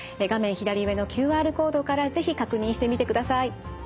左上のＱＲコードから是非確認してみてください。